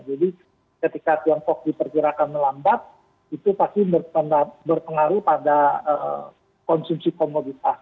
jadi ketika tiongkok diperkirakan melambat itu pasti berpengaruh pada konsumsi komoditas